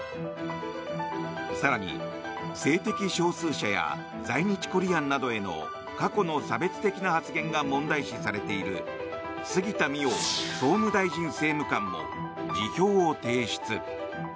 更に、性的少数者や在日コリアンなどへの過去の差別的な発言が問題視されている杉田水脈総務大臣政務官も辞表を提出。